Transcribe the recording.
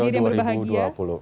para hadirin berbahagia